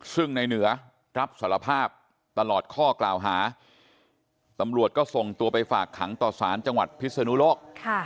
ซึ่งในเหนือรับสารภาพตลอดข้อกล่าวหาตำรวจก็ส่งตัวไปฝากขังต่อสารจังหวัดพิศนุโลก